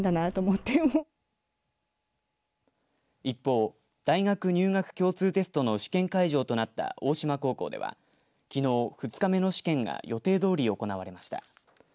一方、大学入学共通テストの試験会場となった大島高校ではきのう２日目の試験が予定どおり行われました。